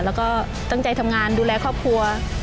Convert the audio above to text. แล้วก็ตั้งใจทำงานดูแลครอบครัว